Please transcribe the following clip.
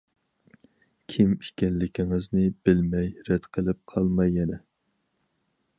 كىم ئىكەنلىكىڭىزنى بىلمەي رەت قىلىپ قالماي يەنە.